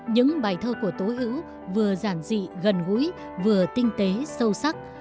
những bài thơ của tố hữu vừa giản dị gần gũi vừa tinh tế sâu sắc